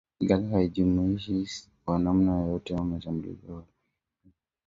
Kigali haijihusishi kwa namna yoyote na mashambulizi ya waasi hao nchini Jamuhuri ya Kidemokrasia ya Kongo